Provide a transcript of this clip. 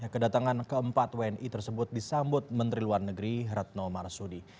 kedatangan keempat wni tersebut disambut menteri luar negeri retno marsudi